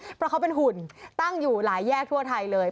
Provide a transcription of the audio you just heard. เพราะเขาเป็นหุ่นตั้งอยู่หลายแยกทั่วไทยเลย